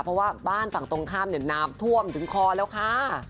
เพราะว่าบ้านฝั่งตรงข้ามเนี่ยน้ำท่วมถึงคอแล้วค่ะ